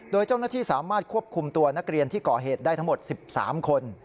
โดยเจ้าหน้าที่สามารถควบคุมตัวนักเรียนที่ก่อเหตุได้ทั้งหมด๑๓คน